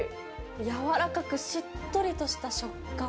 柔らかく、しっとりとした食感。